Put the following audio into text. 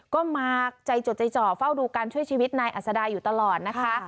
ก็มาใจจดใจจ่อเฝ้าดูการช่วยชีวิตนายอัศดาอยู่ตลอดนะคะ